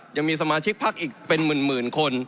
ยังมีสมาชิกพักอีกเป็นหมื่นคน